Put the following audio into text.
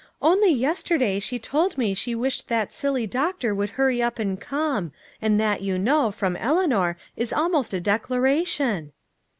"Only yesterday she told me she wished that silly doctor would hurry up and come and that, you know, from Eleanor is almost a declaration!"